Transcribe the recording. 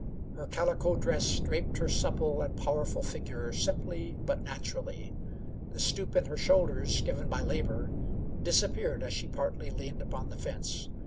Her calico dress draped her supple and powerful figure simply but naturally. The stoop in her shoulders, given by labor, disappeared as she partly leaned upon the fence.